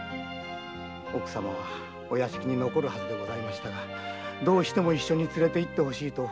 奥様はお屋敷に残るはずでしたがどうしても連れていってほしいと。